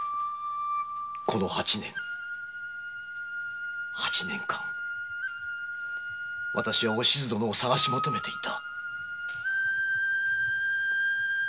この八年八年間わたしはおしず殿を捜し求めていた。